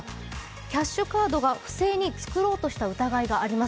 キャッシュカードを不正に作ろうとした疑いがあります